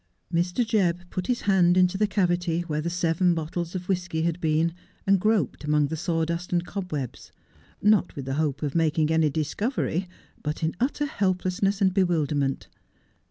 Mr. Jebb put his hand into the cavity where the seven bottles of whisky had been, and groped among the sawdust and cob webs ; not with the hope of making any discovery, but in utter helplessness and bewilderment.